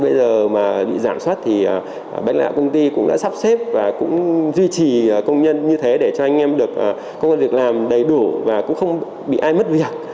bây giờ mà bị giảm xuất thì bệnh lạc công ty cũng đã sắp xếp và cũng duy trì công nhân như thế để cho anh em có việc làm đầy đủ và cũng không bị ai mất việc